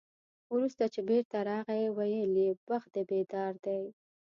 وروسته چې بېرته راغی، ویل یې بخت دې بیدار دی.